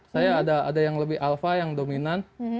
saya ada yang lebih alfa yang dominan